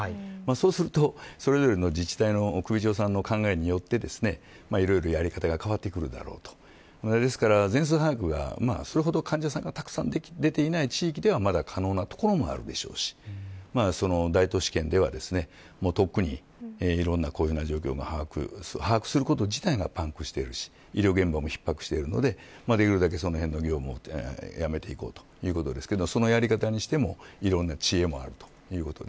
そうするとそれぞれの自治体の首長さんの考えによっていろいろやり方が変わってくるだろうとですから全数把握が、それほど患者さんがたくさん出ていない地域ではまだ可能な所もあるでしょうし大都市圏では、とっくにいろんな状況が把握すること自体がパンクしているし医療現場も逼迫しているのでできるだけその辺の業務もやめていこうということですがそのやり方にしてもいろんな知恵もある